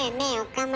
岡村。